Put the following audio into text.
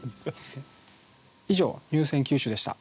以上入選九首でした。